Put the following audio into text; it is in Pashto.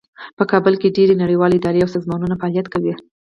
په کابل کې ډیرې نړیوالې ادارې او سازمانونه فعالیت کوي